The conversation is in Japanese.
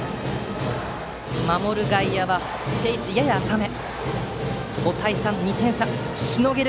守る外野は、定位置よりやや浅め。